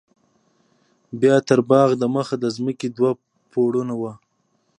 بيا تر باغ د مخه د ځمکې دوه پوړونه وو.